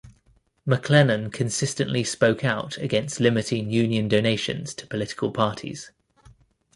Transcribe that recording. McClellan consistently spoke out against limiting union donations to political parties.